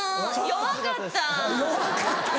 「弱かった」。